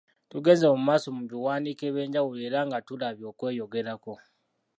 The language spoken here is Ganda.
Tugenze mu maaso ku biwandiiko eby’enjawulo era nga tulabye okweyogerako. ,